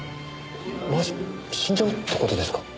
マジ死んじゃうって事ですか？